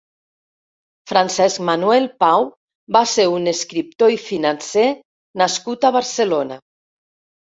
Francesc Manuel Pau va ser un escriptor i financer nascut a Barcelona.